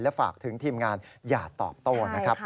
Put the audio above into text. ฝากถึงทีมงานอย่าตอบโต้นะครับ